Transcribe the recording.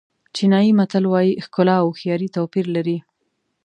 چینایي متل وایي ښکلا او هوښیاري توپیر لري.